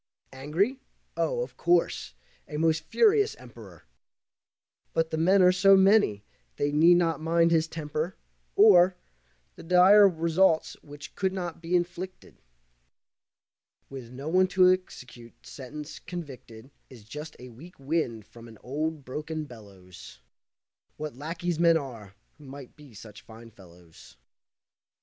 Angry? Oh, of course, a most furious Emperor! But the men are so many they need not mind his temper, or The dire results which could not be inflicted. With no one to execute sentence, convicted Is just the weak wind from an old, broken bellows. What lackeys men are, who might be such fine fellows!